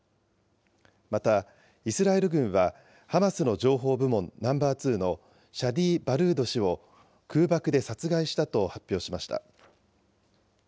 また、イスラエル軍はハマスの情報部門ナンバー２のシャディ・バルード氏を空爆で殺害したと発表しました。